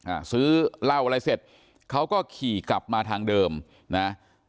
อ่าซื้อเหล้าอะไรเสร็จเขาก็ขี่กลับมาทางเดิมนะ